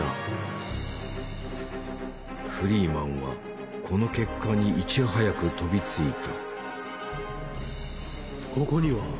フリーマンはこの結果にいち早く飛びついた。